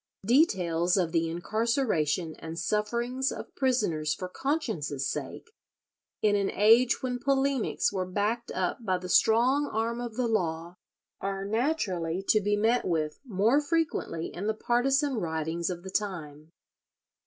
Details of the incarceration and sufferings of prisoners for conscience's sake, in an age when polemics were backed up by the strong arm of the law, are naturally to be met with more frequently in the partisan writings of the time.